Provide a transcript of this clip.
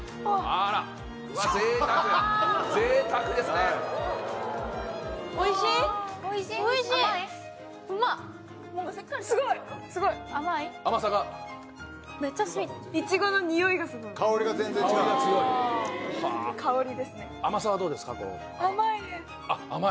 あっ甘い？